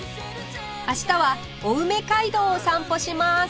明日は青梅街道を散歩します